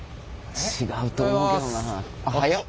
違うと思うけどな。